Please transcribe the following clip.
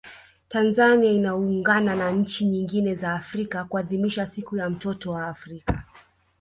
Tanzania inaungana na nchi nyingine za Afrika kuadhimisha siku ya mtoto wa Afrika